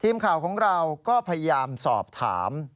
ทีมข่าวของเราก็พยายามสอบถาม